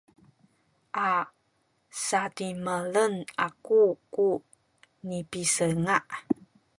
a sadimelen aku ku nipisinga’